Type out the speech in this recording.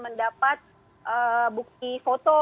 mendapat bukti foto